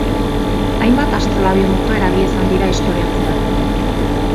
Hainbat astrolabio-mota erabili izan dira historian zehar.